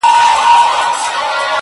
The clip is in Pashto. o ځكه دنيا مي ته يې،